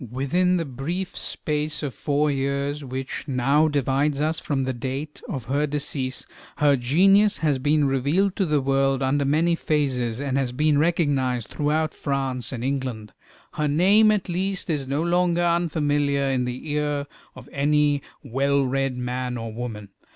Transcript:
Within the brief space of four years which now divides us from the date of her decease, her genius has been revealed to the world under many phases, and has been recognized throughout France and England. Her name, at least, is no longer unfamiliar in the ear of any well read man or woman.